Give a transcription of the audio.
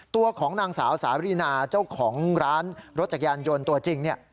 ตัวของนางสาวสารีนาเจ้าของร้านรถจักรยานยนต์ตัวจริงเนี่ย